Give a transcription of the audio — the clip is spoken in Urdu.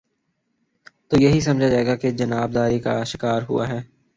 تو یہی سمجھا جائے گا کہ جانب داری کا شکار ہوا ہے۔